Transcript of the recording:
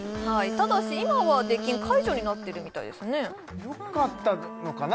ただし今は出禁解除になってるみたいですね良かったのかな